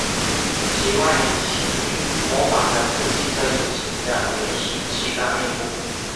其外形模仿的是汽车引擎的圆形汽缸内部。